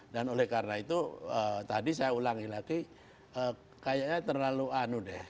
oleh karena itu tadi saya ulangi lagi kayaknya terlalu anu deh